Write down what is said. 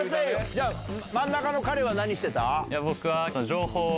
じゃあ真ん中の彼は何してた？